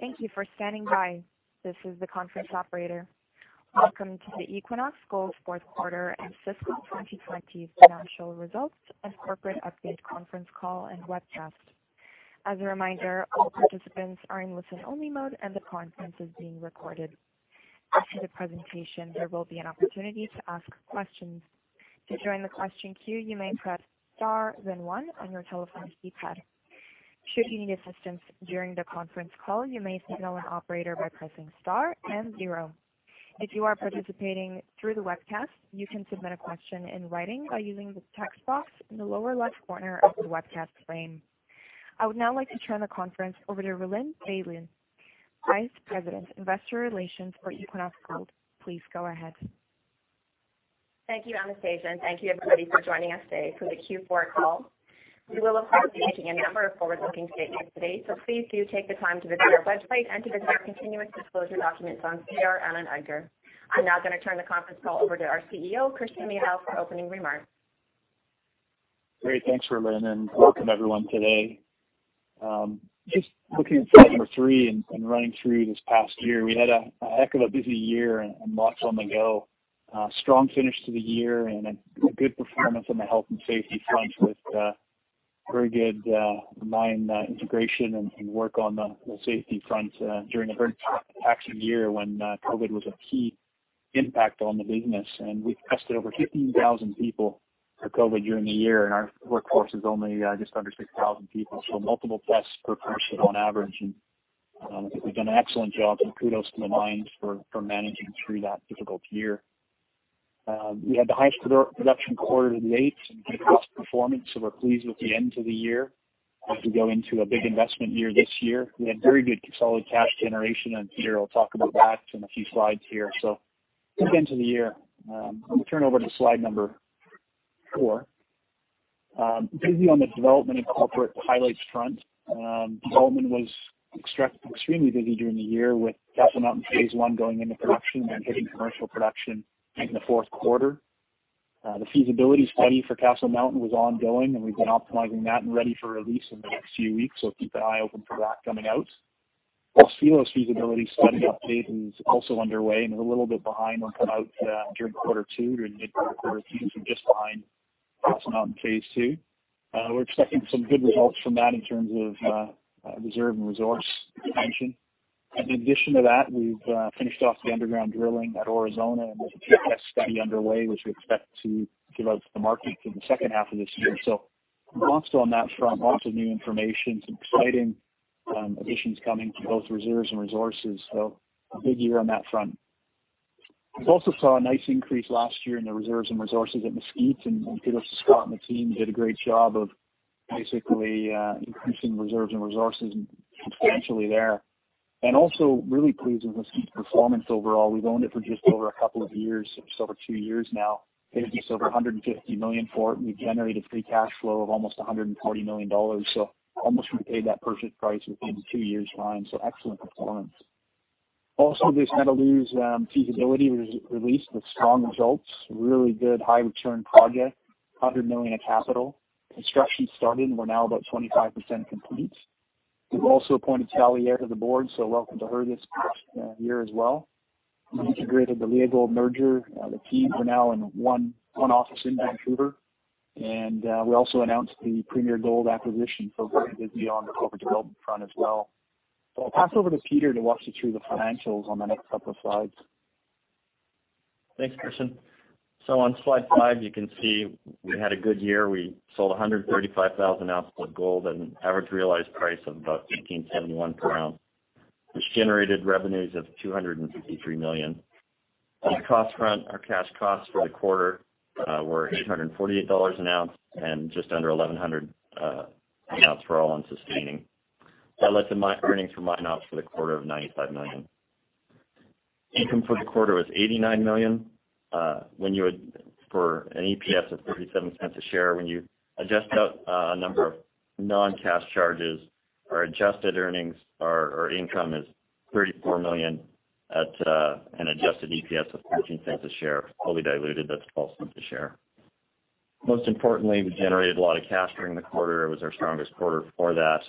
Thank you for standing by. This is the conference operator. Welcome to the Equinox Gold fourth quarter and fiscal 2020 financial results and corporate update conference call and webcast. As a reminder, all participants are in listen-only mode and the conference is being recorded. After the presentation, there will be an opportunity to ask questions. To join the question queue, you may press star then one on your telephone keypad. Should you need assistance during the conference call, you may signal an operator by pressing star and zero. If you are participating through the webcast, you can submit a question in writing by using the text box in the lower left corner of the webcast frame. I would now like to turn the conference over to Rhylin Bailie, Vice President, Investor Relations for Equinox Gold. Please go ahead. Thank you, Anastasia, and thank you everybody for joining us today for the Q4 call. We will, of course, be making a number of forward-looking statements today, so please do take the time to visit our website and to visit our continuous disclosure documents on SEDAR and on EDGAR. I'm now going to turn the conference call over to our CEO, Christian Milau, for opening remarks. Great. Thanks, Rhylin, welcome everyone today. Just looking at slide number three and running through this past year, we had a heck of a busy year and lots on the go. A strong finish to the year and a good performance on the health and safety front with very good mine integration and work on the safety front during a very taxing year when COVID was a key impact on the business. We tested over 15,000 people for COVID during the year, and our workforce is only just under 6,000 people. Multiple tests per person on average, and I think we've done an excellent job, kudos to the mine for managing through that difficult year. We had the highest production quarter to date and good cost performance, so we're pleased with the end to the year as we go into a big investment year this year. We had very good solid cash generation on here. I'll talk about that in a few slides here. Good end to the year. Let me turn over to slide number four. Busy on the development and corporate highlights front. Development was extremely busy during the year, with Castle Mountain phase I going into production and hitting commercial production in the fourth quarter. The feasibility study for Castle Mountain was ongoing, and we've been optimizing that and ready for release in the next few weeks, so keep an eye open for that coming out. Los Filos Feasibility Study update is also underway and is a little bit behind. We'll come out during the Q2, during the mid-Q2, just behind Castle Mountain phase II. We're expecting some good results from that in terms of reserve and resource expansion. In addition to that, we've finished off the underground drilling at Aurizona, there's a PEA study underway, which we expect to give out to the market in the second half of this year. Lots on that front, lots of new information, some exciting additions coming to both reserves and resources. A big year on that front. We also saw a nice increase last year in the reserves and resources at Mesquite, kudos to Scott and the team who did a great job of basically increasing reserves and resources substantially there. Also really pleased with Mesquite performance overall. We've owned it for just over a couple of years, just over two years now. Paid just over $150 million for it, and we generated free cash flow of almost $140 million. Almost repaid that purchase price within two years' time. Excellent performance. Also, the Santa Luz feasibility was released with strong results, really good high return project, $100 million of capital. Construction started, and we're now about 25% complete. We've also appointed Sally Eyre to the board, so welcome to her this year as well. We integrated the Leagold merger. The teams are now in one office in Vancouver. We also announced the Premier Gold acquisition, so very busy on the corporate development front as well. I'll pass over to Peter to walk you through the financials on the next couple of slides. Thanks, Christian. On slide five, you can see we had a good year. We sold 135,000 ounces of gold at an average realized price of about $1,871 per ounce, which generated revenues of $253 million. On the cost front, our cash costs for the quarter were $848 an ounce and just under $1,100 an ounce for all-in sustaining. That led to earnings for mine ops for the quarter of $95 million. Income for the quarter was $89 million. For an EPS of $0.37 a share, when you adjust out a number of non-cash charges, our adjusted earnings, our income is $34 million at an adjusted EPS of $0.14 a share. Fully diluted, that's $0.12 a share. Most importantly, we generated a lot of cash during the quarter. It was our strongest quarter for that,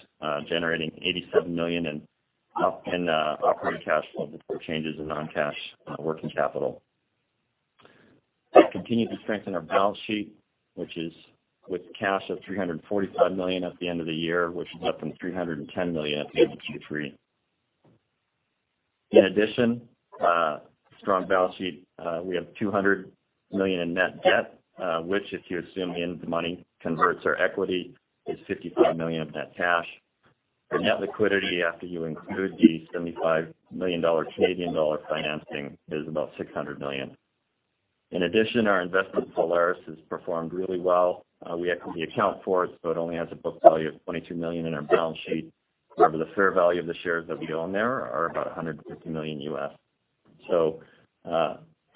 generating $87 million in operating cash flow before changes in non-cash working capital. We've continued to strengthen our balance sheet, which is with cash of $345 million at the end of the year, which is up from $310 million at the end of Q3. In addition, strong balance sheet, we have $200 million in net debt, which, if you assume the money converts to our equity, is $55 million of net cash. Our net liquidity after you include the 75 million Canadian dollar financing is about $600 million. In addition, our investment in Solaris has performed really well. We equity account for it, so it only has a book value of $22 million in our balance sheet. However, the fair value of the shares that we own there are about $150 million U.S.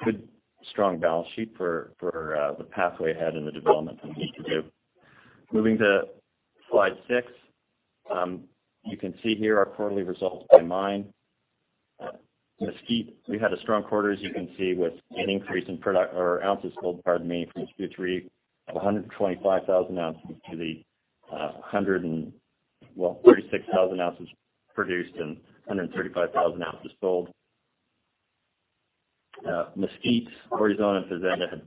Good strong balance sheet for the pathway ahead and the development that we need to do. Moving to slide six. You can see here our quarterly results by mine. Mesquite, we had a strong quarter, as you can see, with an increase in product or ounces sold, pardon me, from Q3 of 125,000 ounces to the 136,000 ounces produced and 135,000 ounces sold. Mesquite, Aurizona, and Fazenda had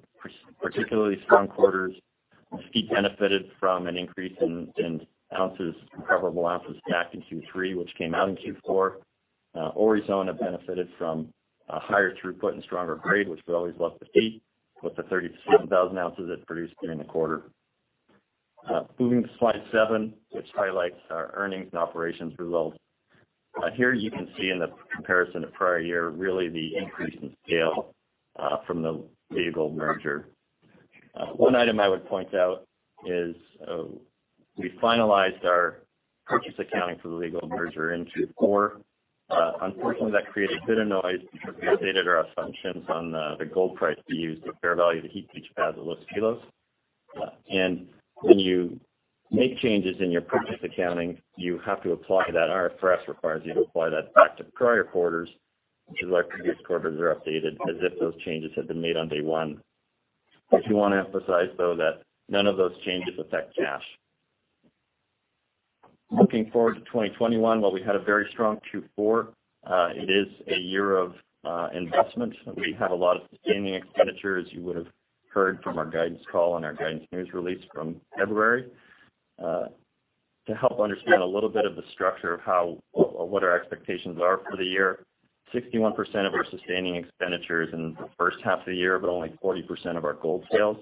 particularly strong quarters. Mesquite benefited from an increase in ounces, comparable ounces back in Q3, which came out in Q4. Aurizona benefited from a higher throughput and stronger grade, which we always love to see, with the 36,000 ounces it produced during the quarter. Moving to slide seven, which highlights our earnings and operations results. Here you can see in the comparison to prior year, really the increase in scale from the Leagold merger. One item I would point out is we finalized our purchase accounting for the Leagold merger in Q4. Unfortunately, that created a bit of noise because we updated our assumptions on the gold price we used for fair value to heap leach pad at Los Filos. When you make changes in your purchase accounting, you have to apply that. IFRS requires you to apply that back to prior quarters, which is why previous quarters are updated as if those changes had been made on day one. I do want to emphasize, though, that none of those changes affect cash. Looking forward to 2021. While we had a very strong Q4, it is a year of investment. We have a lot of sustaining expenditures you would have heard from our guidance call and our guidance news release from February. To help understand a little bit of the structure of what our expectations are for the year, 61% of our sustaining expenditures in the first half of the year, but only 40% of our gold sales,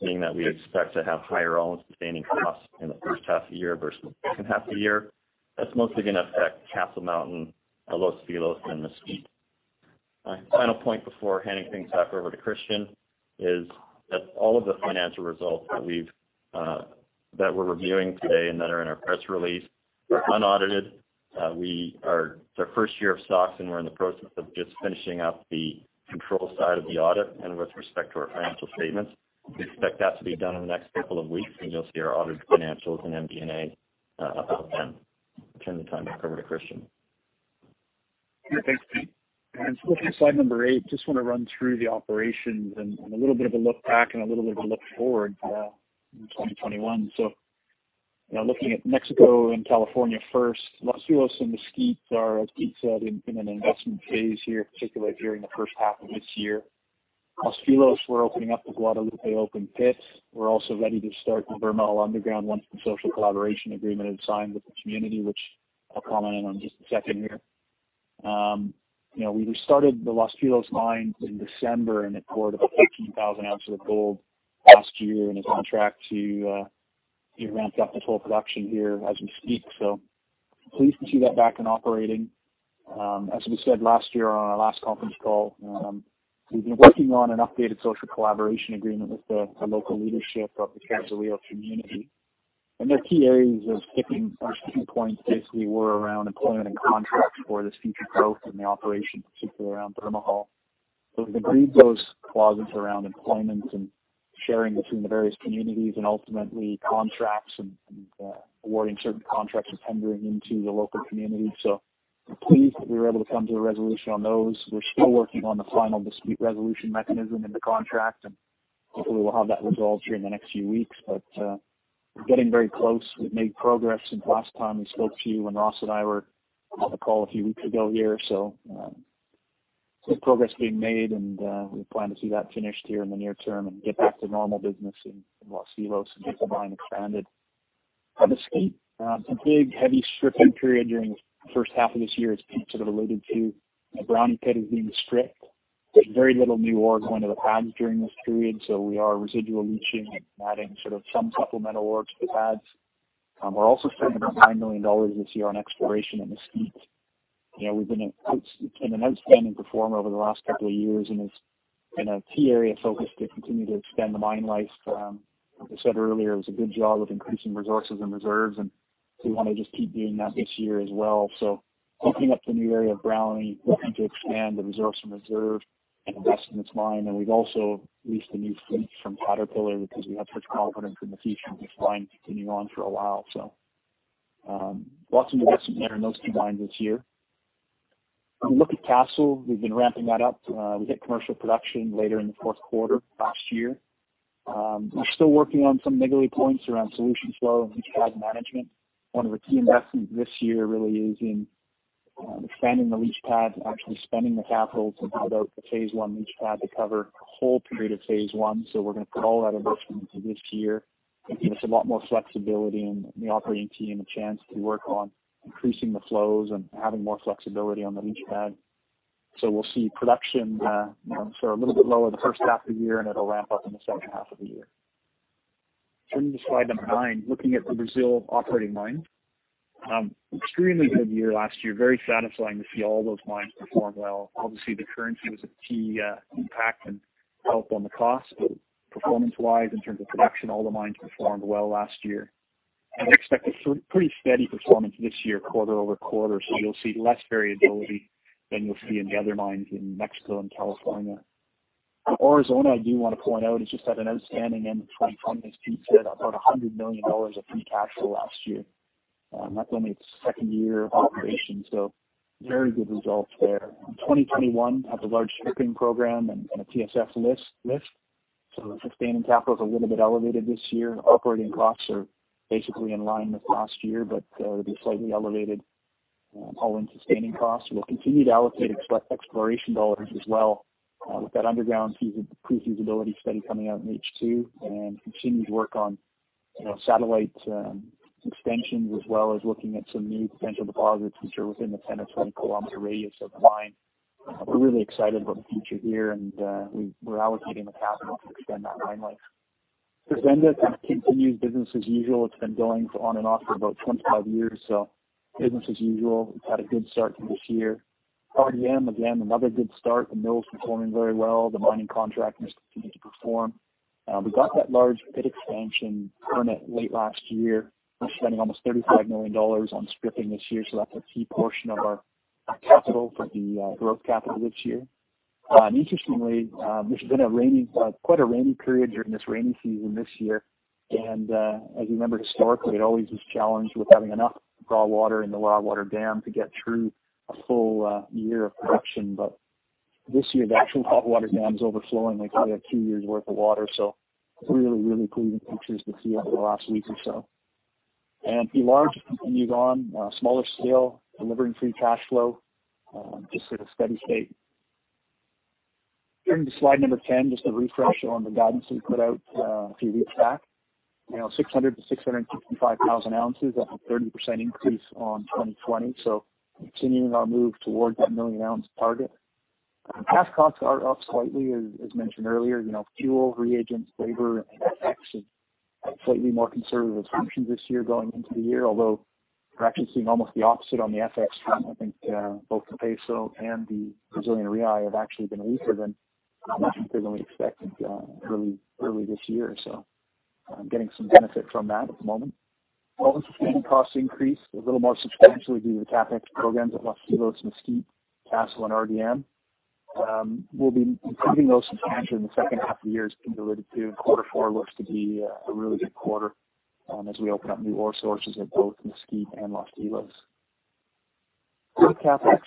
meaning that we expect to have higher all-in sustaining costs in the first half of the year versus the second half of the year. That's mostly going to affect Castle Mountain, Los Filos, and Mesquite. Final point before handing things back over to Christian is that all of the financial results that we're reviewing today and that are in our press release are unaudited. It's our first year of SOX. We're in the process of just finishing up the control side of the audit with respect to our financial statements. We expect that to be done in the next couple of weeks. You'll see our audited financials in MD&A about then. I'll turn the time back over to Christian. Yeah. Thanks, Peter. Looking at slide number eight, just want to run through the operations and a little bit of a look back and a little bit of a look forward for 2021. Looking at Mexico and California first, Los Filos and Mesquite are, as Peter said, in an investment phase here, particularly during the first half of this year. Los Filos, we're opening up the Guadalupe open pit. We're also ready to start the Bermejal Underground once the social collaboration agreement is signed with the community, which I'll comment on in just a second here. We restarted the Los Filos mines in December, and it poured about 15,000 ounces of gold last year and is on track to be ramped up to full production here as we speak. Pleased to see that back and operating. As we said last year on our last conference call, we've been working on an updated social collaboration agreement with the local leadership of the Castle Hills community. Their key areas of sticking points, two points basically, were around employment and contracts for this future growth in the operation, particularly around Bermejal. We've agreed those clauses around employment and sharing between the various communities and ultimately contracts and awarding certain contracts and tendering into the local community. We're pleased that we were able to come to a resolution on those. We're still working on the final dispute resolution mechanism in the contract, and hopefully we'll have that resolved during the next few weeks. We're getting very close. We've made progress since last time we spoke to you when Ross and I were on the call a few weeks ago here. Good progress being made, and we plan to see that finished here in the near term and get back to normal business in Los Filos and get the mine expanded. For Mesquite, it's a big, heavy stripping period during the first half of this year, as Peter sort of alluded to. The Brownie Pit is being stripped. There's very little new ore going to the pads during this period. We are residually leaching and adding some supplemental ore to the pads. We're also spending about $9 million this year on exploration in Mesquite. We've been an outstanding performer over the last couple of years, and a key area of focus to continue to extend the mine life. As I said earlier, it was a good job of increasing resources and reserves, and we want to just keep doing that this year as well. Opening up the new area of Brownie, looking to expand the reserves and reserve and invest in this mine. We've also leased a new fleet from Caterpillar because we have such confidence in the future of this mine continuing on for a while. Lots of investment in those two mines this year. If we look at Castle, we've been ramping that up. We hit commercial production later in the fourth quarter of last year. We're still working on some niggly points around solution flow and leach pad management. One of our key investments this year really is in expanding the leach pad, actually spending the capital to build out the phase I leach pad to cover the whole period of phase I. We're going to put all that investment into this year. It gives a lot more flexibility in the operating team, a chance to work on increasing the flows and having more flexibility on the leach pad. We'll see production sort of a little bit lower the first half of the year, and it'll ramp up in the second half of the year. Turning to slide number nine, looking at the Brazil operating mine. Extremely good year last year. Very satisfying to see all those mines perform well. Obviously, the currency was a key impact and help on the cost, but performance-wise, in terms of production, all the mines performed well last year. We expect a pretty steady performance this year, quarter-over-quarter. You'll see less variability than you'll see in the other mines in Mexico and California. For Aurizona, I do want to point out it just had an outstanding end of 2020, as Peter said, about $100 million of free cash flow last year. Not only its second year of operation, very good results there. In 2021, we have a large stripping program and a TSF lift. The sustaining capital is a little bit elevated this year. Operating costs are basically in line with last year, there'll be slightly elevated all-in sustaining costs. We'll continue to allocate exploration dollars as well with that underground pre-feasibility study coming out in H2, and continue to work on satellite extensions, as well as looking at some new potential deposits which are within the 10-20 km radius of the mine. We're really excited about the future here and we're allocating the capital to extend that mine life. Los Filos continues business as usual. It's been going on and off for about 25 years, so business as usual. It's had a good start to this year. RDM, again, another good start. The mill's performing very well. The mining contract has continued to perform. We got that large pit expansion permit late last year. We're spending almost $35 million on stripping this year, so that's a key portion of our capital for the growth capital this year. Interestingly, this has been quite a rainy period during this rainy season this year, and as you remember historically, it always was challenged with having enough raw water in the raw water dam to get through a full year of production. This year, the actual raw water dam's overflowing. They probably have two years worth of water, so it's really, really pleasing pictures to see that in the last week or so. And Pilar just continues on a smaller scale, delivering free cash flow, just at a steady state. Turning to slide 10, just a refresh on the guidance we put out a few weeks back. 600,000-655,000 ounces, that's a 30% increase on 2020, so continuing our move towards that million-ounce target. Cash costs are up slightly as mentioned earlier. Fuel, reagents, labor, and FX have slightly more conservative assumptions this year going into the year, although we're actually seeing almost the opposite on the FX front. I think both the peso and the Brazilian real have actually been weaker than initially than we expected early this year. Getting some benefit from that at the moment. All the sustaining costs increased a little more substantially due to the CapEx programs at Los Filos, Mesquite, Castle, and RDM. We'll be improving those substantially in the second half of the year as Peter alluded to. Quarter four looks to be a really good quarter as we open up new ore sources at both Mesquite and Los Filos. New CapEx,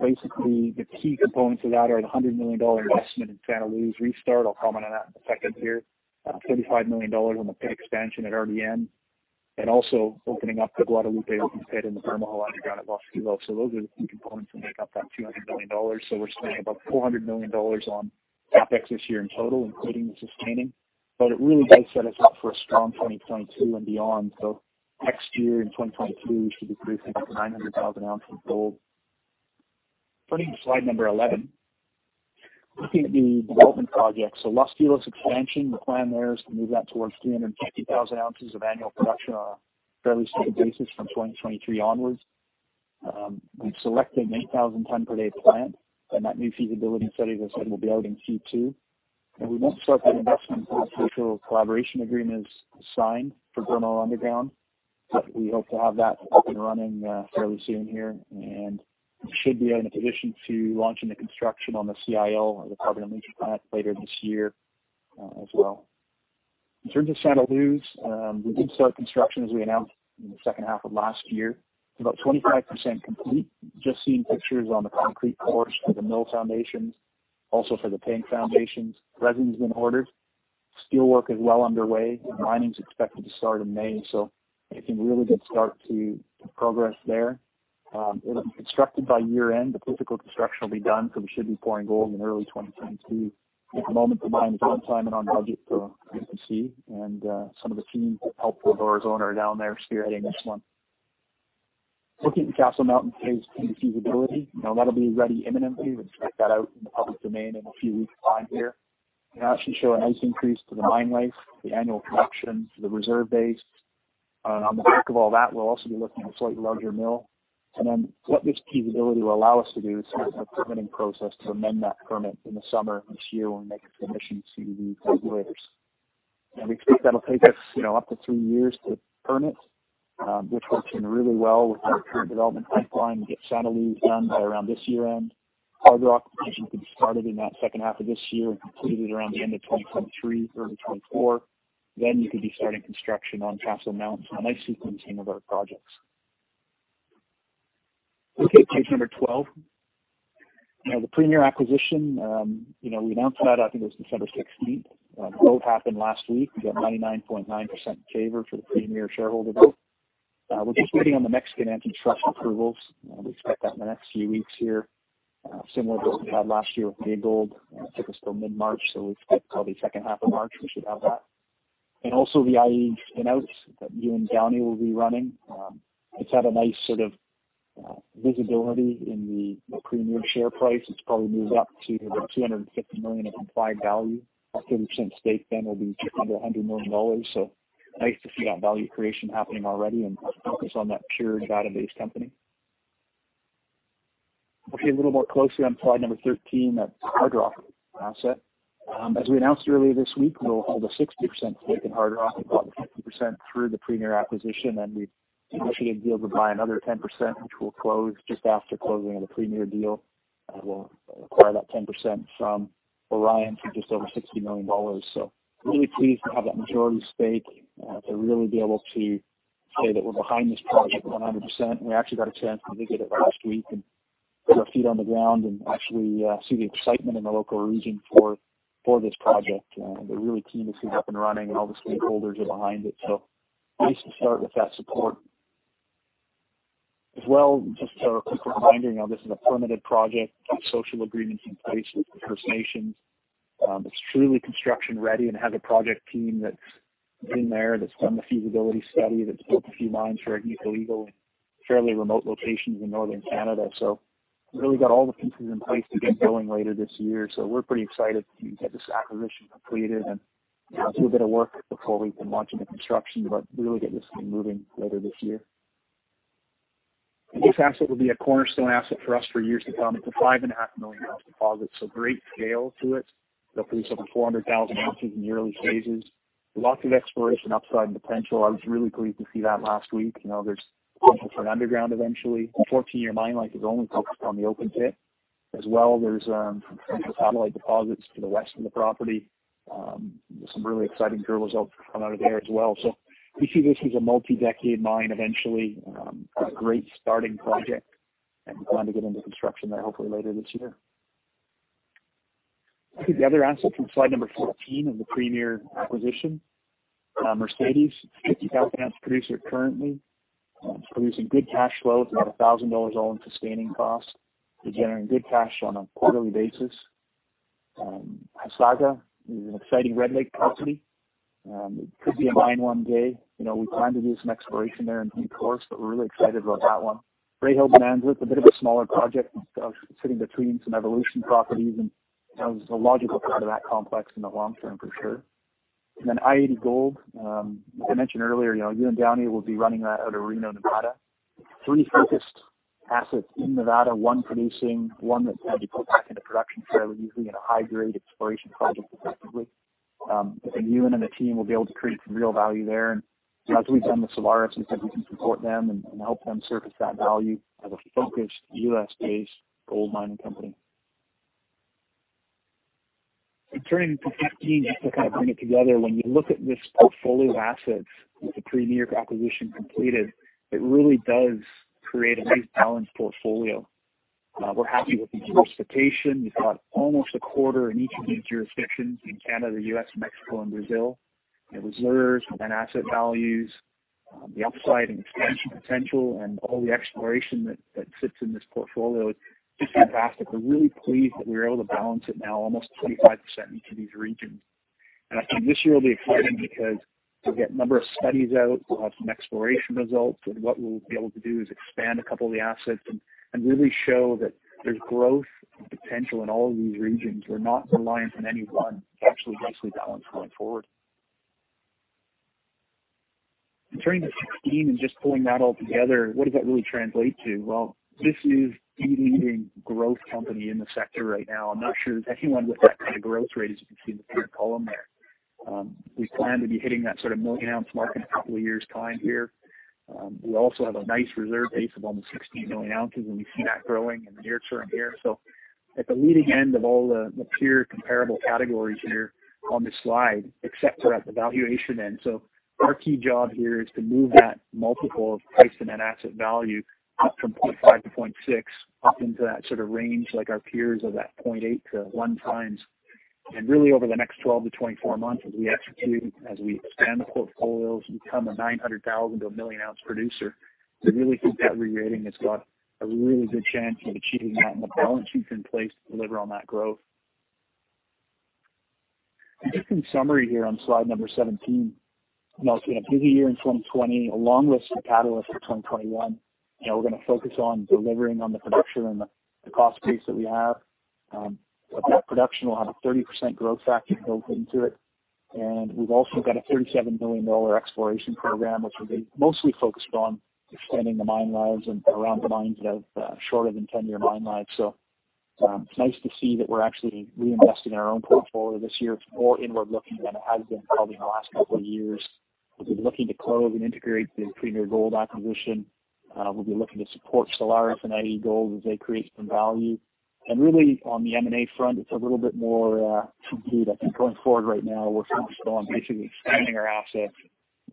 basically the key components of that are the $100 million investment in Santa Luz restart. I'll comment on that in a second here. $35 million on the pit expansion at RDM, and also opening up the Guadalupe open pit and the Bermejal Underground at Los Filos. Those are the key components that make up that $200 million. We're spending about $400 million on CapEx this year in total, including the sustaining, but it really does set us up for a strong 2022 and beyond. Next year, in 2022, we should be producing about 900,000 ounces of gold. Turning to slide 11. Looking at the development projects. Los Filos expansion, the plan there is to move that towards 350,000 ounces of annual production on a fairly steady basis from 2023 onwards. We've selected an 8,000 ton per day plant, and that new feasibility study, as I said, will be out in Q2. We won't start that investment until the social collaboration agreement is signed for Bermejal Underground, but we hope to have that up and running fairly soon here, and we should be in a position to launching the construction on the CIL or the carbon-in-leach plant later this year as well. In terms of Santa Luz, we did start construction, as we announced in the second half of last year. It's about 25% complete. Just seeing pictures on the concrete pours for the mill foundations, also for the tank foundations. Resin's been ordered. Steel work is well underway. Mining's expected to start in May, so making a really good start to the progress there. It'll be constructed by year-end. The physical construction will be done, so we should be pouring gold in early 2022. At the moment, the mine is on time and on budget, so good to see, and some of the team that helped build Aurizona are down there spearheading this one. Looking at Castle Mountain phase II feasibility, that'll be ready imminently. We expect that out in the public domain in a few weeks' time here. That should show a nice increase to the mine life, the annual production, to the reserve base. On the back of all that, we'll also be looking at a slightly larger mill. What this feasibility will allow us to do is start our permitting process to amend that permit in the summer this year and make a submission to the regulators. We think that'll take us up to two years to permit, which works in really well with our current development pipeline to get Santa Luz done by around this year-end. Hardrock construction could be started in that second half of this year and completed around the end of 2023 or 2024. You could be starting construction on Castle Mountain, so a nice sequencing of our projects. Looking at page number 12. The Premier acquisition, we announced that, I think it was December 16th. Vote happened last week. We got 99.9% in favor for the Premier shareholder vote. We're just waiting on the Mexican antitrust approvals. We expect that in the next few weeks here. Similar to what we had last year with Leagold. It took us till mid-March, we expect probably second half of March, we should have that. Also the i-80 spin-outs that Ewan Downie will be running. It has had a nice sort of visibility in the Premier share price. It has probably moved up to about $250 million of implied value. Our 30% stake will be just under $100 million, nice to see that value creation happening already and focus on that pure Nevada-based company. Looking a little more closely on slide number 13, that is Hardrock asset. As we announced earlier this week, we will hold a 60% stake in Hardrock. We bought 50% through the Premier acquisition, and we have negotiated a deal to buy another 10%, which will close just after closing of the Premier deal. I will acquire that 10% from Orion for just over $60 million. Really pleased to have that majority stake to really be able to say that we're behind this project 100%. We actually got a chance to visit it last week and get our feet on the ground and actually see the excitement in the local region for this project. They're really keen to see it up and running, and all the stakeholders are behind it. Nice to start with that support. Just a quick reminder, this is a permitted project with social agreements in place with the First Nations. It's truly construction-ready and has a project team that's been there, that's done the feasibility study, that's built a few mines for Agnico Eagle in fairly remote locations in northern Canada. Really got all the pieces in place to get going later this year. We're pretty excited to get this acquisition completed and do a bit of work before we can launch into construction, but really get this thing moving later this year. This asset will be a cornerstone asset for us for years to come. It's a 5.5 million ounce deposit, so great scale to it. It'll produce over 400,000 ounces in the early phases. Lots of exploration upside and potential. I was really pleased to see that last week. There's potential for an underground eventually. A 14-year mine life is only focused on the open pit. As well, there's some satellite deposits to the west of the property. There's some really exciting drill results come out of there as well. We see this as a multi-decade mine eventually. A great starting project, plan to get into construction there hopefully later this year. I think the other asset from slide number 14 of the Premier acquisition, Mercedes, a 50,000-ounce producer currently. It's producing good cash flow. It's about $1,000 all-in sustaining cost. They're generating good cash on a quarterly basis. Hasaga is an exciting Red Lake property. It could be a mine one day. We plan to do some exploration there in due course, but we're really excited about that one. Greyhill and Manvel, it's a bit of a smaller project sitting between some Evolution properties, and is a logical part of that complex in the long term, for sure. i-80 Gold, as I mentioned earlier, Ewan Downie will be running that out of Reno, Nevada. Three focused assets in Nevada, one producing, one that's going to be put back into production fairly easily in a high-grade exploration project, effectively. I think Ewan and the team will be able to create some real value there. As we've done with Solaris, we think we can support them and help them surface that value as a focused U.S.-based gold mining company. Turning to 15, just to bring it together, when you look at this portfolio of assets with the Premier acquisition completed, it really does create a nice balanced portfolio. We're happy with the jurisdiction. We've got almost a quarter in each of these jurisdictions in Canada, U.S., Mexico, and Brazil, with reserves, with net asset values, the upside and expansion potential, and all the exploration that sits in this portfolio is just fantastic. We're really pleased that we were able to balance it now almost 25% in each of these regions. I think this year will be exciting because we'll get a number of studies out, we'll have some exploration results, and what we'll be able to do is expand a couple of the assets and really show that there's growth and potential in all of these regions. We're not reliant on any one. It's actually nicely balanced going forward. Turning to 16 and just pulling that all together, what does that really translate to? Well, this is the leading growth company in the sector right now. I'm not sure there's anyone with that kind of growth rate, as you can see in the third column there. We plan to be hitting that sort of million-ounce mark in a couple of years' time here. We also have a nice reserve base of almost 16 million ounces, and we see that growing in the near term here. At the leading end of all the peer comparable categories here on this slide, except for at the valuation end. Our key job here is to move that multiple of price and net asset value up from 0.5x-0.6x up into that range like our peers of that 0.8x-1x. Really over the next 12-24 months, as we execute, as we expand the portfolios, become a 900,000 to a million-ounce producer, I really think that re-rating has got a really good chance of achieving that, and the balance sheet's in place to deliver on that growth. Just in summary here on slide number 17, a busy year in 2020, a long list of catalysts for 2021. We're going to focus on delivering on the production and the cost base that we have. That production will have a 30% growth factor built into it. We've also got a 37 million dollar exploration program, which will be mostly focused on extending the mine lives and around the mines that have shorter than 10-year mine lives. It's nice to see that we're actually reinvesting in our own portfolio this year, more inward-looking than it has been probably in the last couple of years. We'll be looking to close and integrate the Premier Gold acquisition. We'll be looking to support Solaris and i-80 Gold as they create some value. Really on the M&A front, it's a little bit more subdued, I think, going forward right now. We're focused on basically expanding our assets,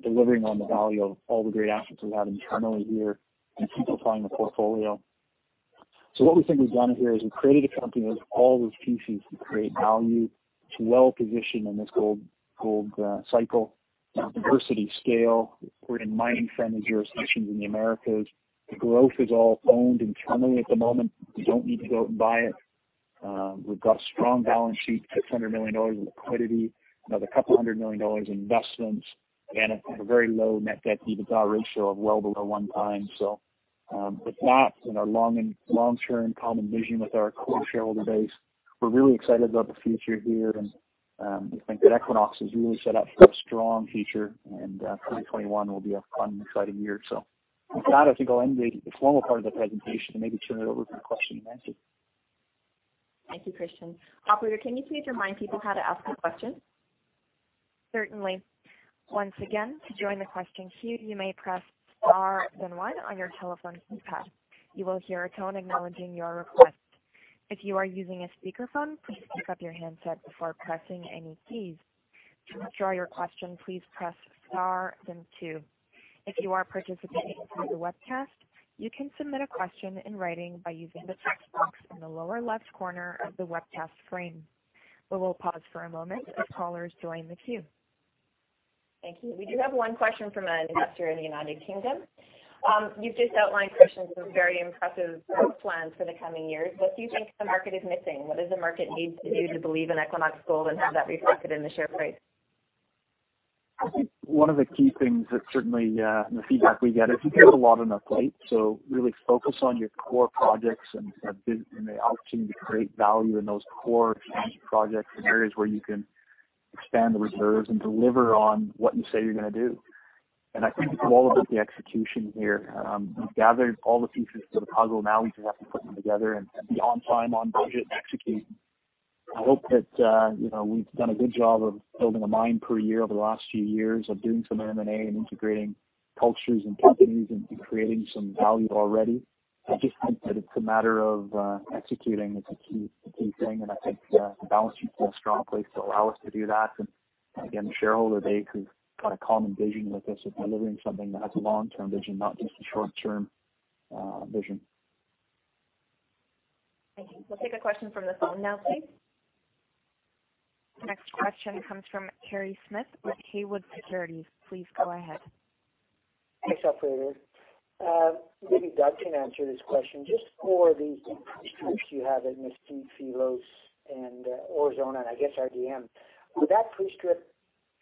delivering on the value of all the great assets we have internally here, and simplifying the portfolio. What we think we've done here is we've created a company with all those pieces to create value. It's well-positioned in this gold cycle. Diversity of scale. We're in mining-friendly jurisdictions in the Americas. The growth is all owned internally at the moment. We don't need to go out and buy it. We've got a strong balance sheet, $600 million in liquidity, another couple of $100 million in investments, and a very low net debt to EBITDA ratio of well below 1x. With that and our long-term common vision with our core shareholder base, we're really excited about the future here, and we think that Equinox is really set up for a strong future, and 2021 will be a fun and exciting year. With that, I think I'll end the formal part of the presentation and maybe turn it over for question-and-answer. Thank you, Christian. Operator, can you please remind people how to ask a question? Certainly. Once again, to join the question queue, you may press star, then one on your telephone keypad. You will hear a tone acknowledging your request. If you are using a speakerphone, please pick up your handset before pressing any keys. To withdraw your question, please press star, then two. If you are participating through the webcast, you can submit a question in writing by using the text box in the lower left corner of the webcast frame. We will pause for a moment as callers join the queue. Thank you. We do have one question from an investor in the United Kingdom. You've just outlined, Christian, some very impressive growth plans for the coming years. What do you think the market is missing? What does the market need to do to believe in Equinox Gold and have that reflected in the share price? I think one of the key things that certainly in the feedback we get is you can do a lot on a plate. Really focus on your core projects and the opportunity to create value in those core projects and areas where you can expand the reserves and deliver on what you say you're going to do. I think it's all about the execution here. We've gathered all the pieces to the puzzle. We just have to put them together and be on time, on budget, and execute. I hope that we've done a good job of building a mine per year over the last few years of doing some M&A and integrating cultures and companies and creating some value already. I just think that it's a matter of executing is the key thing, and I think the balance sheet's in a strong place to allow us to do that. Again, the shareholder base has got a common vision with us of delivering something that has a long-term vision, not just a short-term vision. Thank you. We'll take a question from the phone now, please. Next question comes from Kerry Smith with Haywood Securities. Please go ahead. Thanks, Operator. Maybe Doug can answer this question. Just for the pre-strips you have at Mesquite, Filos, and Aurizona, and I guess RDM. Would that pre-strip be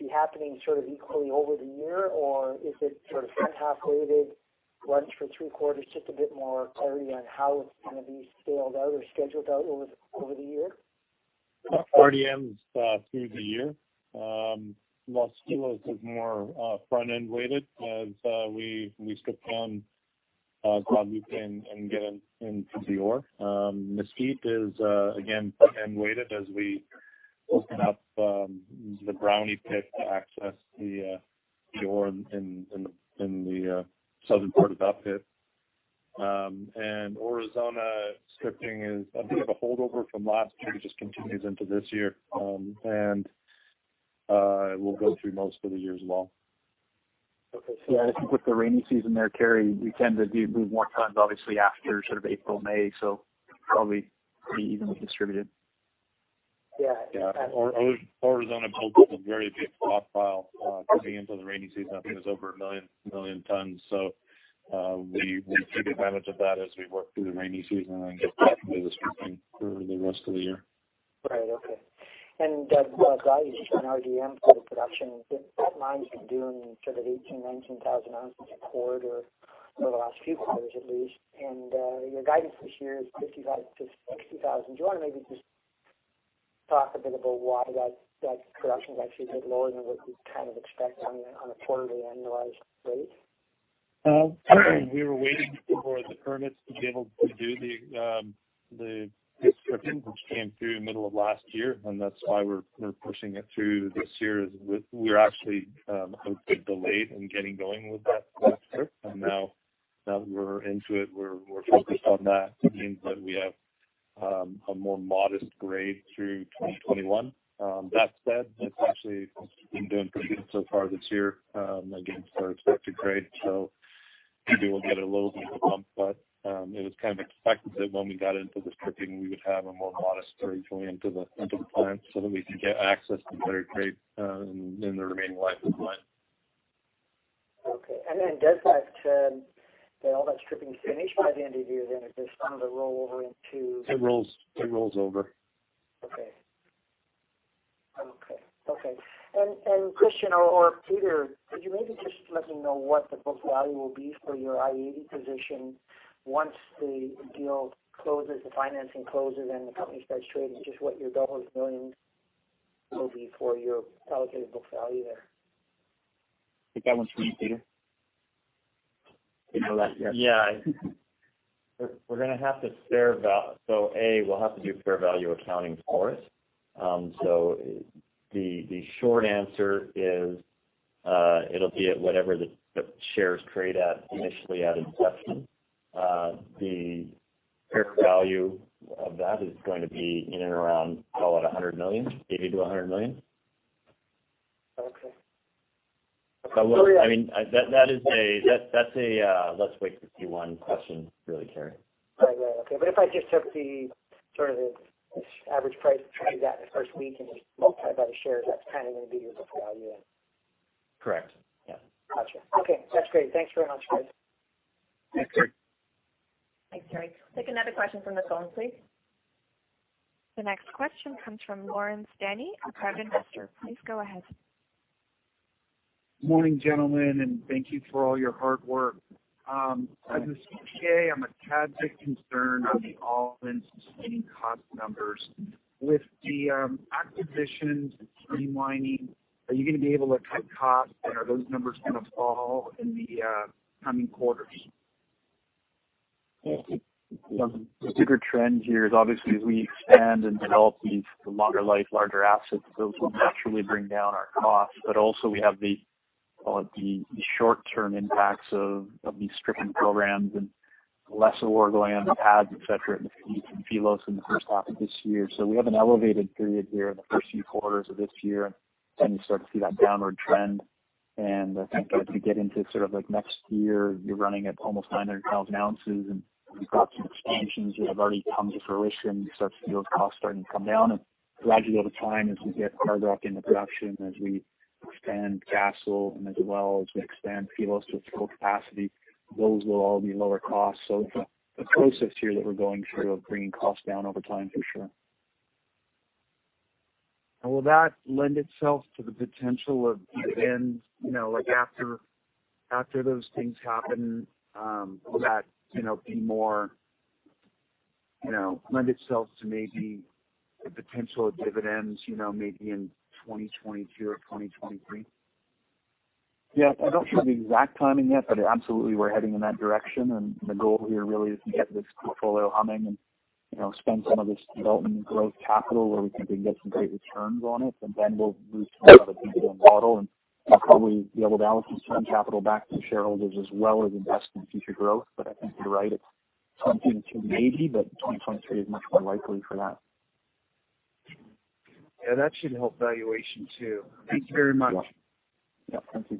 happening sort of equally over the year, or is it sort of front half weighted, one for three quarters? Just a bit more clarity on how it's going to be scaled out or scheduled out over the year? RDM is through the year. Los Filos is more front-end weighted as we strip down, probably and get into the ore. Mesquite is again, back-end weighted as we open up the Brownie Pit to access the ore in the southern part of that pit. Aurizona stripping is, I think, a holdover from last year. It just continues into this year. Will go through most of the year as well. Yeah, I think with the rainy season there, Kerry, we tend to do more tons obviously after sort of April, May, so probably be evenly distributed. Yeah. Yeah. Aurizona built up a very big profile coming into the rainy season. I think it was over 1 million tons. We'll take advantage of that as we work through the rainy season and then get back into the stripping through the rest of the year. Right. Okay. Doug, while guidance on RDM for the production, that mine's been doing 18,000, 19,000 ounces a quarter over the last few quarters at least. Your guidance this year is 55,000-60,000 ounces. Do you want to maybe just talk a bit about why that production is actually a bit lower than what we'd kind of expect on a quarterly annualized rate? We were waiting for the permits to be able to do the pre-stripping, which came through middle of last year. That's why we're pushing it through this year, as we're actually a bit delayed in getting going with that pre-strip. Now that we're into it, we're focused on that. It means that we have a more modest grade through 2021. That said, it's actually been doing pretty good so far this year against our expected grade. Maybe we'll get a little bit of a bump. It was kind of expected that when we got into the stripping, we would have a more modest grade going into the plant so that we could get access to better grade in the remaining life of mine. Okay. Then does that, all that stripping finish by the end of year, then? Is there some of it roll over into. It rolls over. Okay. Christian or Peter, could you maybe just let me know what the book value will be for your i-80 Gold position once the deal closes, the financing closes, and the company starts trading? Just what your dollars million will be for your allocated book value there. I think that one's for you, Peter. You know that, yeah. Yeah. We're going to have to do fair value accounting for it. The short answer is it'll be at whatever the shares trade at initially at inception. The fair value of that is going to be in and around, call it $100 million, $80 million-$100 million. Okay. That's a let's wait to see one question, really, Kerry. Right. Yeah. Okay. If I just took the average price it trades at in the first week and just multiply by the shares, that's kind of going to be your book value then? Correct. Yeah. Got you. Okay, that's great. Thanks very much, guys. Yeah. Thanks, Kerry. Take another question from the phone, please. The next question comes from Lawrence Dennie, a private investor. Please go ahead. Morning, gentlemen, thank you for all your hard work. As an CPA, I'm a tad bit concerned on the all-in sustaining cost numbers. With the acquisitions and streamlining, are you going to be able to cut costs and are those numbers going to fall in the coming quarters? The bigger trend here is obviously as we expand and develop these longer life larger assets, those will naturally bring down our costs. We have the short-term impacts of these stripping programs and less ore going on the pads, et cetera, in Los Filos in the first half of this year. We have an elevated period here in the first few quarters of this year. You start to see that downward trend. I think as we get into next year, you're running at almost 900,000 ounces, and you've got some expansions that have already come to fruition. You start to see those costs starting to come down. Gradually, over time, as we get Hardrock into production, as we expand Castle, and as well as we expand Los Filos to its full capacity, those will all be lower costs. It's a process here that we're going through of bringing costs down over time, for sure. Will that lend itself to the potential of dividends, like after those things happen, will that lend itself to maybe the potential of dividends, maybe in 2022 or 2023? Yes. I don't have the exact timing yet, but absolutely, we're heading in that direction. The goal here really is to get this portfolio humming and spend some of this development and growth capital where we think we can get some great returns on it, and then we'll move to another dividend model, and we'll probably be able to allocate some capital back to shareholders as well as invest in future growth. I think you're right. It's 2022, maybe, but 2023 is much more likely for that. Yeah, that should help valuation, too. Thanks very much. Yeah. Thank you.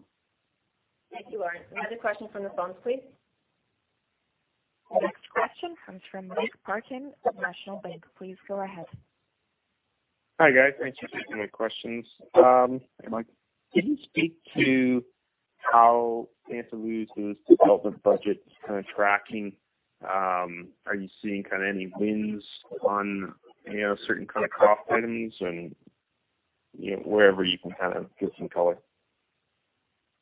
Thank you, Lawrence. Another question from the phones, please. The next question comes from Michael Parkin of National Bank. Please go ahead. Hi, guys. Thanks for taking my questions. Hey, Mike. Can you speak to how Santa Luz's development budget is tracking? Are you seeing any wins on certain kind of cost items and wherever you can kind of give some color?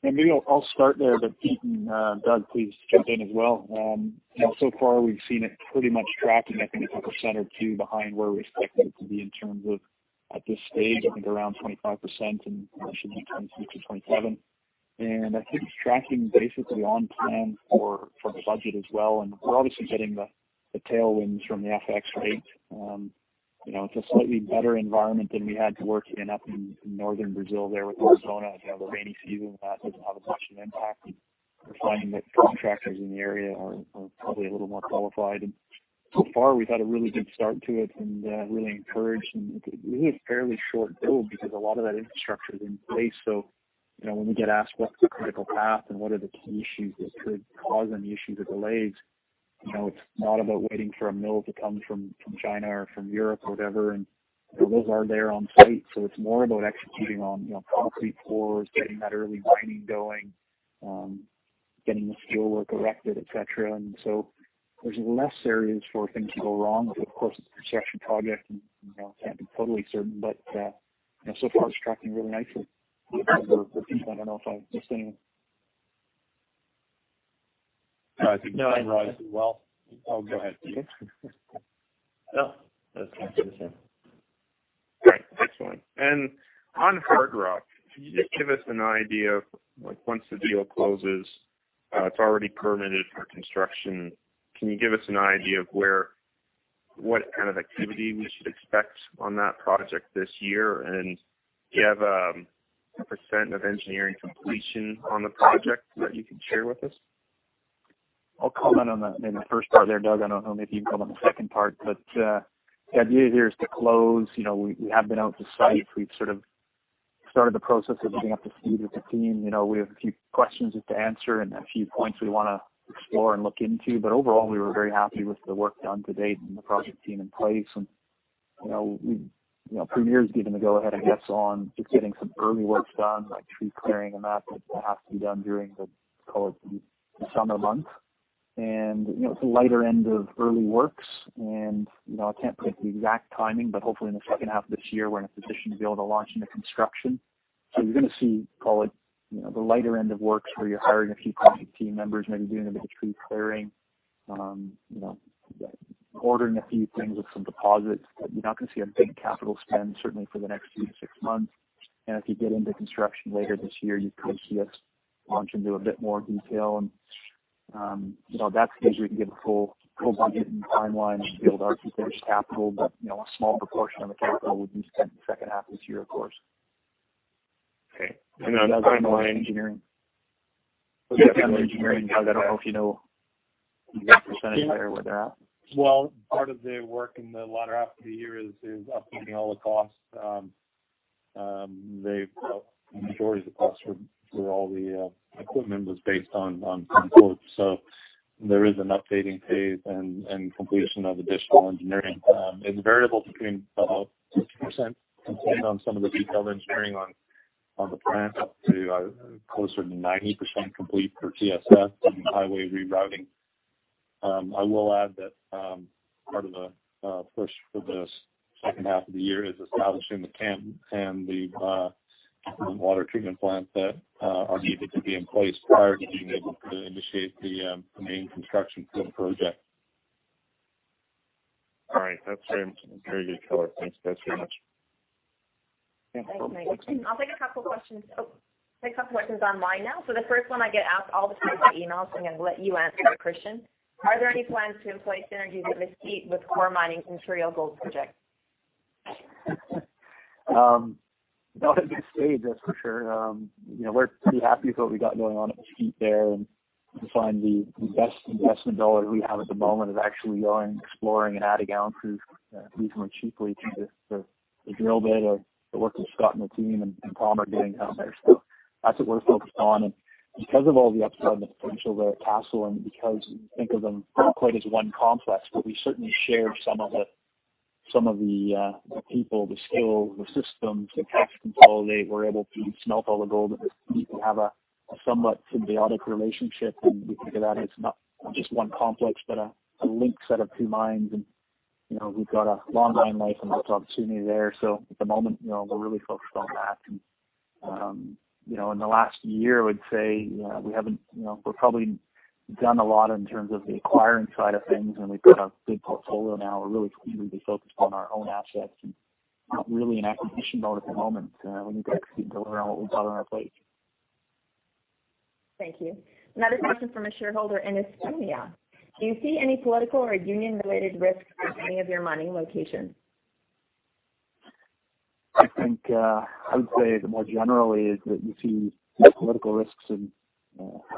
Maybe I'll start there, but Peter and Doug, please jump in as well. So far, we've seen it pretty much tracking, I think, 1% or 2% behind where we expected it to be in terms of, at this stage, I think around 25%, and that should be 26%-27%. I think it's tracking basically on plan for budget as well. We're obviously getting the tailwinds from the FX rate. It's a slightly better environment than we had to work in up in northern Brazil there with Aurizona, as you have a rainy season, that doesn't have as much an impact, and we're finding that contractors in the area are probably a little more qualified. So far, we've had a really good start to it and really encouraged. It's a fairly short build because a lot of that infrastructure is in place. When we get asked what's the critical path and what are the key issues that could cause any issues or delays, it's not about waiting for a mill to come from China or from Europe or whatever. Those are there on site. It's more about executing on concrete pours, getting that early mining going, getting the steel work erected, et cetera. There's less areas for things to go wrong. Of course, it's a construction project, and you can't be totally certain, but so far it's tracking really nicely. I don't know if I missed anything. No, I think you summarized it well. Oh, go ahead, Peter. No, I was going to say the same. Great. Excellent. On Hardrock, can you just give us an idea of once the deal closes, it's already permitted for construction. Can you give us an idea of what kind of activity we should expect on that project this year? Do you have a % of engineering completion on the project that you can share with us? I'll comment on the first part there, Doug. I don't know, maybe you can comment on the second part, but the idea here is to close. We have been out to site. We've sort of started the process of getting up to speed with the team. We have a few questions to answer and a few points we want to explore and look into. Overall, we were very happy with the work done to date and the project team in place. Premier's given the go-ahead, I guess, on just getting some early work done, like tree clearing and that has to be done during the summer months. It's the lighter end of early works. I can't predict the exact timing, but hopefully in the second half of this year, we're in a position to be able to launch into construction. You're going to see, call it, the lighter end of works where you're hiring a few project team members, maybe doing a bit of tree clearing, ordering a few things with some deposits. You're not going to see a big capital spend, certainly for the next few to six months. As we get into construction later this year, you could see us launch into a bit more detail. At that stage, we can give a full budget and timeline and be able to articulate capital. A small proportion of the capital will be spent in the second half of this year, of course. Okay. Detailed engineering, Doug, I don't know if you know the % there, where they're at? Well, part of the work in the latter half of the year is updating all the costs. The majority of the costs for all the equipment was based on some quotes. There is an updating phase and completion of additional engineering. It's a variable between about 60%, depending on some of the detailed engineering on the plant, up to closer to 90% complete for TSF and highway rerouting. I will add that part of the push for the second half of the year is establishing the camp and the water treatment plants that are needed to be in place prior to being able to initiate the main construction for the project. All right. That's very good color. Thanks guys very much. Thanks, Mike. I'll take a couple questions online now. The first one I get asked all the time through emails, I'm going to let you answer it, Christian. Are there any plans to employ synergies at Mesquite with KORE Mining in Trio Gold's project? That would be a save, that's for sure. We're pretty happy with what we got going on at Mesquite there, and we find the best investment dollar we have at the moment is actually going, exploring, and adding ounces reasonably cheaply through the drill bit of the work that Scott and the team and Palmer are doing down there. That's what we're focused on. Because of all the upside and the potential there at Castle, and because we think of them not quite as one complex, but we certainly share some of the people, the skills, the systems, the cash to consolidate. We're able to smelt all the gold, and we have a somewhat symbiotic relationship, and we think of that as not just one complex but a linked set of two mines, and we've got a long mine life and opportunity there. At the moment, we're really focused on that. In the last year, I would say we've probably done a lot in terms of the acquiring side of things, and we've got a big portfolio now. We're really squarely focused on our own assets and not really in acquisition mode at the moment. We need to execute, deliver on what we've got on our plate. Thank you. Another question from a shareholder in Estonia. Do you see any political or union-related risks at any of your mining locations? I think I would say more generally is that you see political risks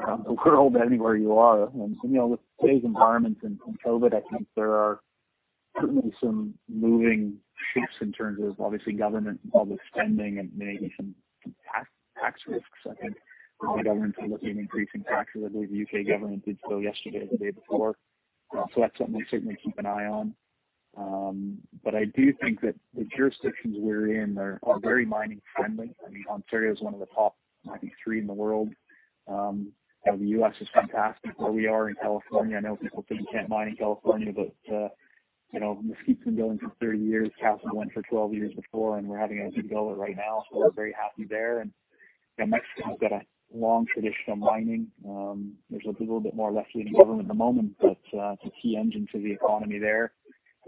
around the world anywhere you are. With today's environment in COVID, I think there are certainly some moving shifts in terms of obviously government and public spending and maybe some tax risks. I think many governments are looking at increasing taxes. I believe the U.K. government did so yesterday or the day before. That's something we certainly keep an eye on. I do think that the jurisdictions we're in are very mining friendly. I mean Ontario is one of the top maybe three in the world. The U.S. is fantastic where we are in California. I know people think you can't mine in California, but Mesquite's been going for 30 years. Castle went for 12 years before, and we're having our due diligence right now, so we're very happy there. Mexico's got a long tradition of mining. There's a little bit more left-leaning government at the moment, but it's a key engine to the economy there.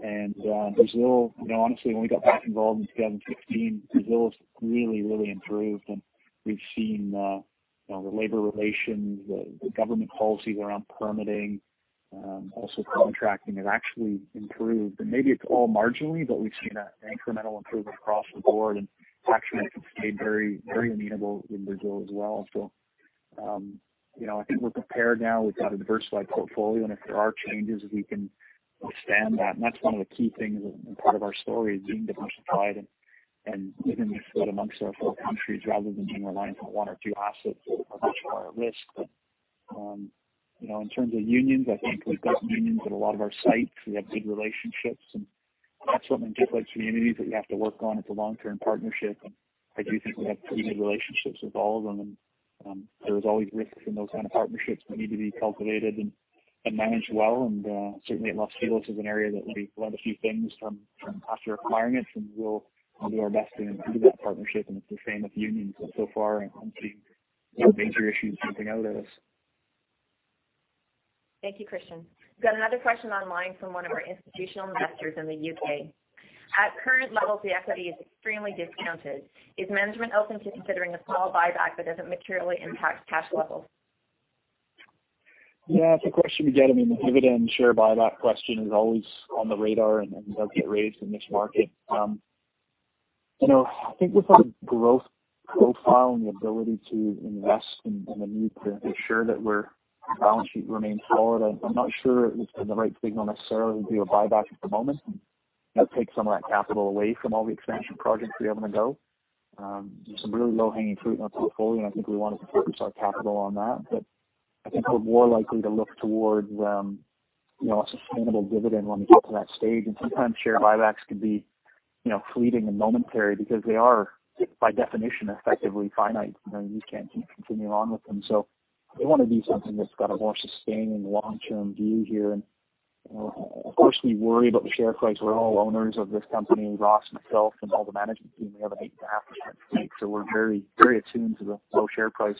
Brazil, honestly, when we got back involved in 2016, Brazil has really improved, and we've seen the labor relations, the government policy around permitting, also contracting has actually improved. Maybe it's all marginally, but we've seen an incremental improvement across the board, and tax rates have stayed very amenable in Brazil as well. I think we're prepared now. We've got a diversified portfolio, and if there are changes, we can withstand that. That's one of the key things and part of our story is being diversified and living the spread amongst our four countries rather than being reliant on one or two assets that are much more at risk. In terms of unions, I think we've got unions at a lot of our sites. We have good relationships, and that's something, just like communities, that you have to work on. It's a long-term partnership, and I do think we have pretty good relationships with all of them, and there is always risks in those kind of partnerships that need to be cultivated and managed well, and certainly at Los Filos is an area that we learned a few things from after acquiring it, and we'll do our best to improve that partnership and its reframe with the unions. So far, I don't see any major issues jumping out at us. Thank you, Christian. Got another question online from one of our institutional investors in the U.K. At current levels, the equity is extremely discounted. Is management open to considering a small buyback that doesn't materially impact cash levels? Yeah, it's a question we get. I mean, the dividend share buyback question is always on the radar and does get raised in this market. I think with our growth profile and the ability to invest and the need to ensure that our balance sheet remains solid, I'm not sure it would send the right signal necessarily to do a buyback at the moment. That would take some of that capital away from all the expansion projects we have on the go. There's some really low-hanging fruit in our portfolio. I think we want to focus our capital on that. I think we're more likely to look towards a sustainable dividend when we get to that stage. Sometimes share buybacks could be fleeting and momentary because they are, by definition, effectively finite. You just can't keep continuing on with them. We want to do something that's got a more sustaining long-term view here. Of course, we worry about the share price. We're all owners of this company, Ross himself and all the management team. We have an 8.5% stake, so we're very attuned to the low share price.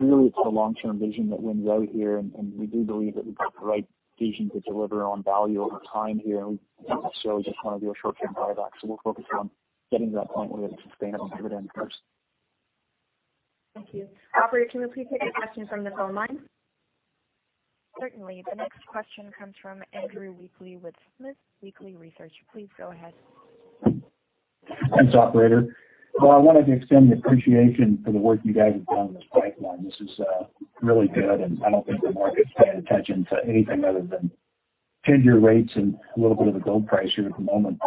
Really, it's the long-term vision that wins out here, and we do believe that we've got the right vision to deliver on value over time here, and we don't necessarily just want to do a short-term buyback. We'll focus on getting to that point where we have a sustainable dividend first. Thank you. Operator, can we please take a question from the phone line? Certainly. The next question comes from Andrew Weekly with SmithWeekly Research. Please go ahead. Thanks, operator. Well, I wanted to extend the appreciation for the work you guys have done on this pipeline. This is really good, and I don't think the market's paying attention to anything other than 10-year rates and a little bit of the gold price here at the moment.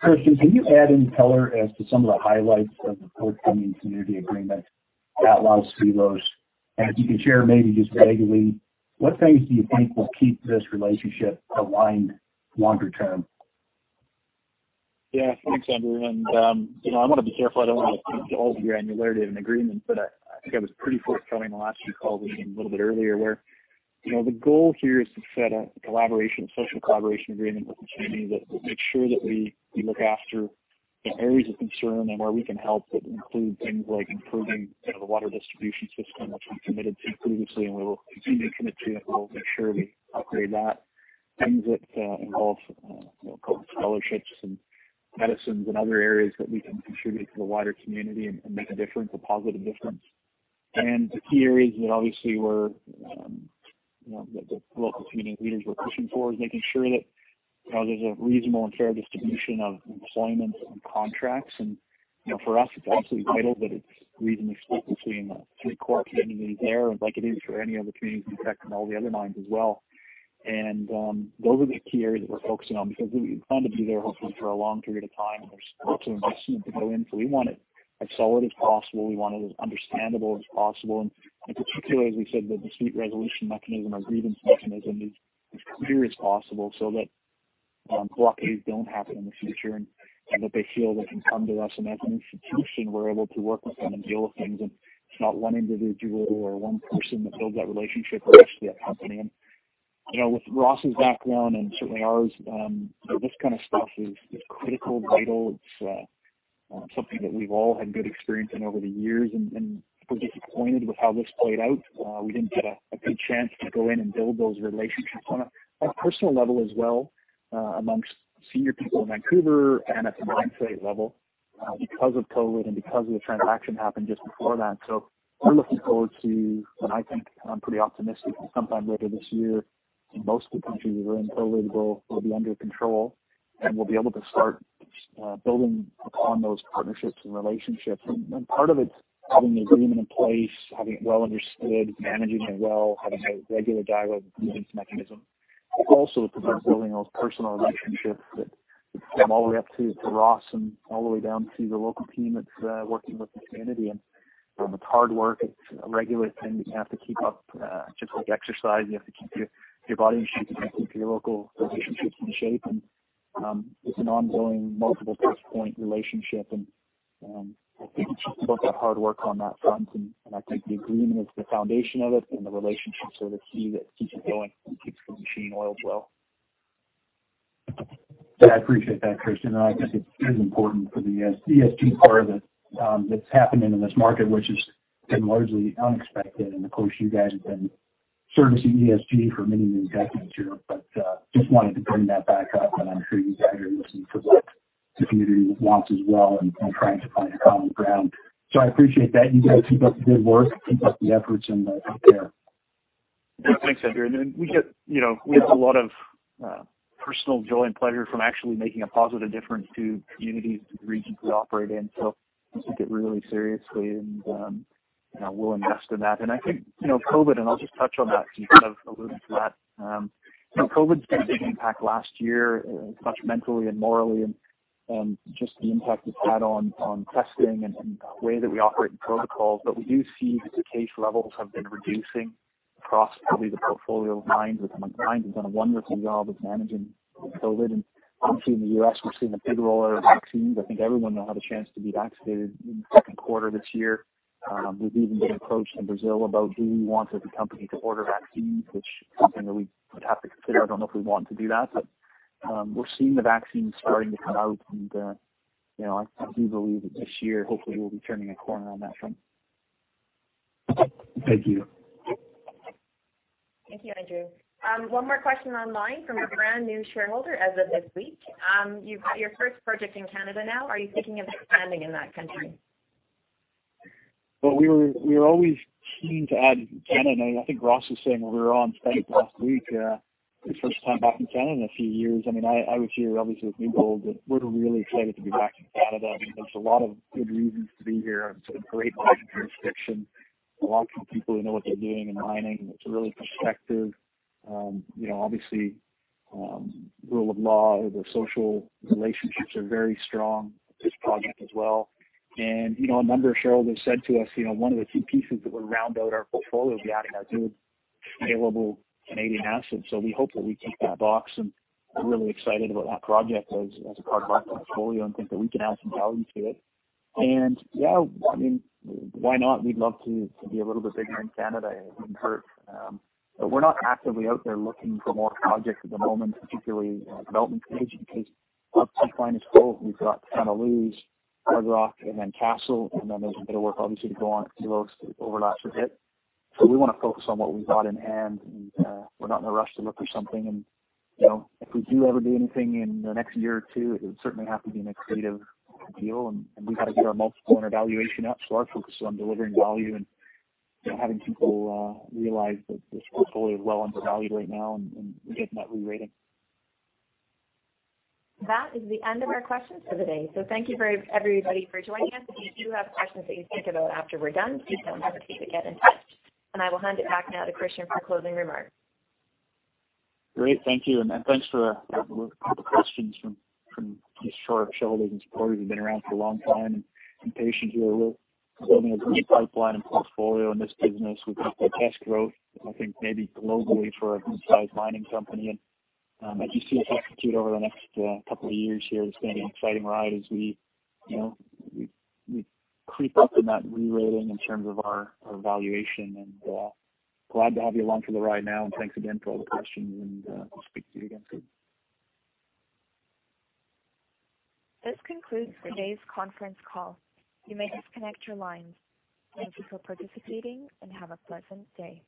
Christian, can you add any color as to some of the highlights of the forthcoming community agreement at Los Filos? If you can share maybe just vaguely, what things do you think will keep this relationship aligned longer term? Yeah. Thanks, Andrew. I want to be careful. I don't want to speak to all the granularity of an agreement, but I think I was pretty forthcoming the last few calls and a little bit earlier where the goal here is to set a collaboration, social collaboration agreement with the community that will make sure that we look after the areas of concern and where we can help, it includes things like improving the water distribution system, which we committed to previously, and we will continue to commit to, and we'll make sure we upgrade that. Things that involve scholarships and medicines and other areas that we can contribute to the wider community and make a difference, a positive difference. The key areas that obviously the local community leaders were pushing for is making sure that there's a reasonable and fair distribution of employment and contracts. For us, it's absolutely vital that it's reasonably split between the three core communities there like it is for any other communities we affect and all the other mines as well. Those are the key areas that we're focusing on because we plan to be there, hopefully, for a long period of time, and there's lots of investment to go in. We want it as solid as possible. We want it as understandable as possible. In particular, as we said, the dispute resolution mechanism or grievance mechanism is as clear as possible so that blockades don't happen in the future, and that they feel they can come to us, and as an institution, we're able to work with them and deal with things, and it's not one individual or one person that builds that relationship, but actually a company. With Ross's background and certainly ours, this kind of stuff is critical, vital. It's something that we've all had good experience in over the years, and we're disappointed with how this played out. We didn't get a good chance to go in and build those relationships on a personal level as well amongst senior people in Vancouver and at the mine site level because of COVID and because the transaction happened just before that. I'm looking forward to, and I think I'm pretty optimistic that sometime later this year, in most of the countries we're in, COVID will be under control, and we'll be able to start building upon those partnerships and relationships. Part of it is having the agreement in place, having it well understood, managing it well, having a regular dialogue and grievance mechanism. Also it's about building those personal relationships that come all the way up to Ross and all the way down to the local team that's working with the community. It's hard work. It's a regular thing that you have to keep up. Just like exercise, you have to keep your body in shape, you have to keep your local relationships in shape. It's an ongoing multiple touchpoint relationship. I think it's just a bunch of hard work on that front. I think the agreement is the foundation of it and the relationships are the key that keeps it going and keeps the machine oiled well. Yeah, I appreciate that, Christian. I think it is important for the ESG part of it that's happening in this market, which has been largely unexpected. Of course, you guys have been servicing ESG for many decades here, but just wanted to bring that back up. I'm sure you guys are listening to what the community wants as well and trying to find a common ground. I appreciate that. You guys keep up the good work, keep up the efforts, and take care. Thanks, Andrew. We get a lot of personal joy and pleasure from actually making a positive difference to communities and regions we operate in. We take it really seriously, and we'll invest in that. I think COVID, and I'll just touch on that since you kind of alluded to that. COVID's had a big impact last year, both mentally and morally, and just the impact it's had on testing and the way that we operate in protocols. We do see that the case levels have been reducing across probably the portfolio of mines. Mine has done a wonderful job of managing COVID. Obviously in the U.S., we're seeing a big roll out of vaccines. I think everyone will have a chance to be vaccinated in the second quarter this year. We've even been approached in Brazil about do we want as a company to order vaccines, which is something that we would have to consider. I don't know if we want to do that, but we're seeing the vaccines starting to come out, and I do believe that this year, hopefully, we'll be turning a corner on that front. Thank you. Thank you, Andrew. One more question online from a brand new shareholder as of this week. You've got your first project in Canada now. Are you thinking of expanding in that country? Well, we are always keen to add in Canada. I think Ross was saying when we were on site last week, his first time back in Canada in a few years. I was here obviously with New Gold. We're really excited to be back in Canada. There's a lot of good reasons to be here. It's a great mining jurisdiction, a lot of good people who know what they're doing in mining. It's really prospective. Obviously, rule of law, the social relationships are very strong at this project as well. A number of shareholders said to us, one of the key pieces that would round out our portfolio would be adding a good available Canadian asset. We hope that we tick that box, and we're really excited about that project as a part of our portfolio and think that we can add some value to it. Yeah, why not? We'd love to be a little bit bigger in Canada. It wouldn't hurt. We're not actively out there looking for more projects at the moment, particularly development stage. In case of Equinox Gold, we've got Santa Luz, Hardrock, and then Castle, and then there's a bit of work obviously to go on at Filos, so it overlaps a bit. We want to focus on what we've got in hand, and we're not in a rush to look for something. If we do ever do anything in the next year or two, it would certainly have to be an accretive deal, and we've got to get our multiple and our valuation up. Our focus is on delivering value and having people realize that this portfolio is well undervalued right now and getting that re-rating. That is the end of our questions for the day. Thank you everybody for joining us. If you do have questions that you think about after we're done, please don't hesitate to get in touch. I will hand it back now to Christian for closing remarks. Great. Thank you. Thanks for the questions from these shareholders and supporters who've been around for a long time and patient here. We're building a good pipeline and portfolio in this business. We think the best growth, I think maybe globally for a mid-size mining company. As you see us execute over the next couple of years here, it's going to be an exciting ride as we creep up in that re-rating in terms of our valuation. Glad to have you along for the ride now. Thanks again for all the questions, and we'll speak to you again soon. This concludes today's conference call. You may disconnect your lines. Thank you for participating, and have a pleasant day.